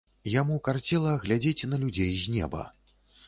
Яму карцела глядзець на людзей з неба.